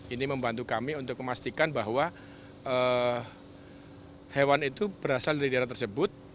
ini membantu kami untuk memastikan bahwa hewan itu berasal dari daerah tersebut